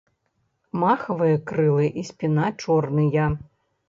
Махавыя крылы і спіна чорныя.